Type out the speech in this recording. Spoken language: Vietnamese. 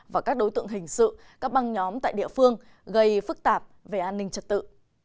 và các đối tượng hình sự các băng nhóm tại địa phương gây phức tạp về an ninh trật tự